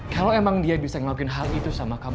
kalau emang dia bisa ngelakuin hal itu sama kamu